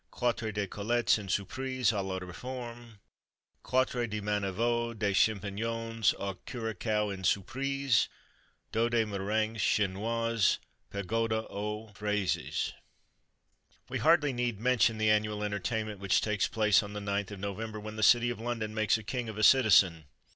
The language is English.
Quatre de Côtelettes en Surprise à la Reform. Quatre de Manivaux de Champignons au Curaçao en Surprise. Deux de Meringues Chinoises Pagoda aux Fraises. We hardly need mention the annual entertainment which takes place on the 9th of November, when the city of London makes a king of a citizen.